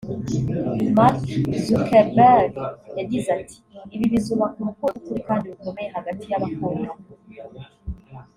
Marc Zuckerberg yagize ati “Ibi bizubaka urukundo rw’ukuri kandi rukomeye hagati y’abakundana